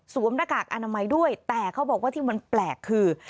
หน้ากากอนามัยด้วยแต่เขาบอกว่าที่มันแปลกคือ